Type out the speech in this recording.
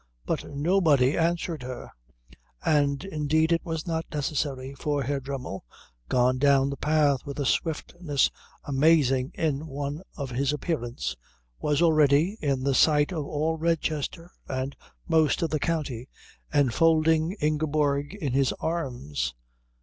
But nobody answered her; and indeed it was not necessary, for Herr Dremmel, gone down the path with a swiftness amazing in one of his appearance, was already, in the sight of all Redchester and most of the county, enfolding Ingeborg in his arms.